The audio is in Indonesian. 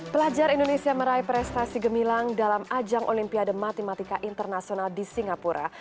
pelajar indonesia meraih prestasi gemilang dalam ajang olimpiade matematika internasional di singapura